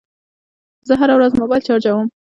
زه هره ورځ موبایل چارجوم.